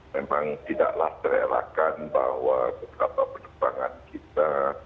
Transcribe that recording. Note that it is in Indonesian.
memang tidaklah terelakkan bahwa beberapa penerbangan kita